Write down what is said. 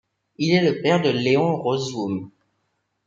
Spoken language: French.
Il est le père de Léon Rosseeuw.